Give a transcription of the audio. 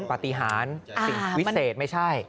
ปฏิหารสิ่งวิเศษไม่ใช่